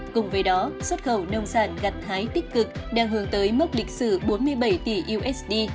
cùng với đó xuất khẩu nông sản gặt thái tích cực đang hướng tới mốc lịch sử bốn mươi bảy tỷ usd